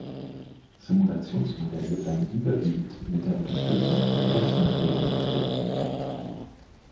Simulationsmodelle werden überwiegend mit der Unterstützung von Rechnern realisiert.